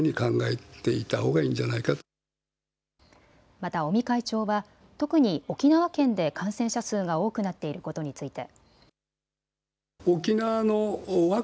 また尾身会長は特に沖縄県で感染者数が多くなっていることについて。